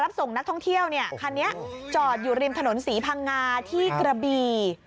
ส่งนักท่องเที่ยวคันนี้จอดอยู่ริมถนนศรีพังงาที่กระบี่